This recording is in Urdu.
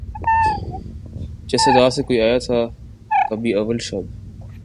جس ادا سے کوئی آیا تھا کبھی اول شب